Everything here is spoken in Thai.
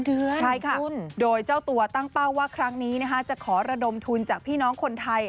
ใช่ค่ะโดยเจ้าตัวตั้งเป้าว่าครั้งนี้จะขอระดมทุนจากพี่น้องคนไทย